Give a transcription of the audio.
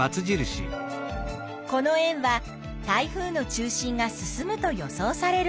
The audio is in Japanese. この円は台風の中心が進むと予想されるはん囲。